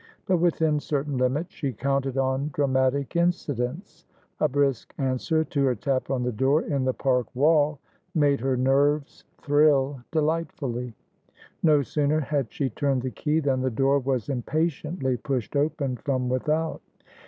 But, within certain limits, she counted on dramatic incidents. A brisk answer to her tap on the door in the park wall made her nerves thrill delightfully. No sooner had she turned the key than the door was impatiently pushed open from without.